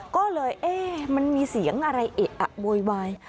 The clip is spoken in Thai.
ก็เลยเอ๊ะมันมีเสียงอะไรเอะอะโวยวาย